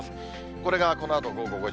これがこのあと午後５時。